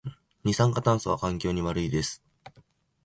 二酸化炭素は環境に悪いです